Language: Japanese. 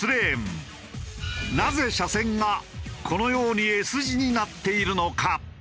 なぜ車線がこのようにＳ字になっているのか？